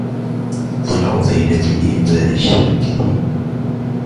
مَلْحُوظِينَ بِإِيمَاءِ الشَّامِتِينَ